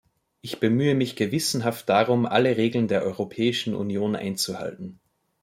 Ich bemühe mich gewissenhaft darum, alle Regeln der Europäischen Union einzuhalten.